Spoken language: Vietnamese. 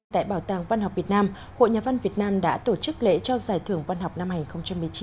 tại bảo tàng văn học việt nam hội nhà văn việt nam đã tổ chức lễ trao giải thưởng văn học năm hai nghìn một mươi chín